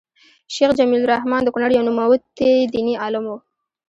شيخ جميل الرحمن د کونړ يو نوموتی ديني عالم وو